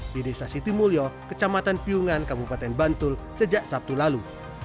binesa siti mulyo kecamatan piyungan kabupaten bantul sejak sabtu lalu